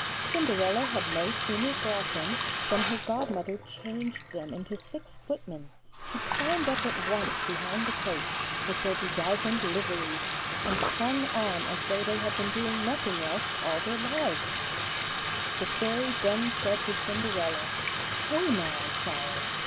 Cinderella had no sooner brought them than her godmother changed them into six footmen, who climbed up at once behind the coach with their bedizened liveries, and clung on as though they had been doing nothing else all their lives. The Fairy then said to Cinderella: 'Hey now, child!